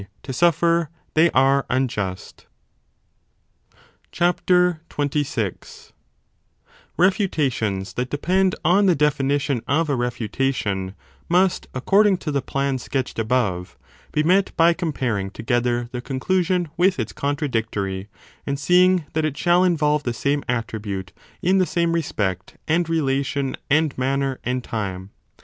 to suffer, they are unjust. i8i a Refutations that depend on the definition of a refutation 26 must, according to the plan sketched above, 1 be met by comparing together the conclusion with its contradictory, and seeing that it shall involve the same attribute in the same respect and relation and manner and time.